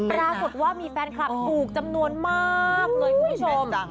ปรากฏว่ามีแฟนคลับถูกจำนวนมากเลยคุณผู้ชม